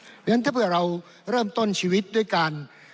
เพราะฉะนั้นถ้าเผื่อเราเริ่มต้นชีวิตด้วยการ